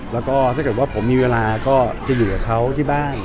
แล้วก็ถ้าเกิดว่าผมมีเวลาก็จะเหลือเขาที่บ้าน